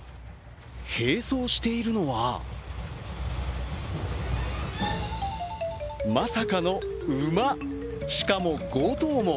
併走しているのはまさかの馬、しかも５頭も。